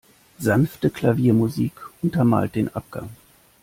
Sanfte Klaviermusik untermalt den Abgang.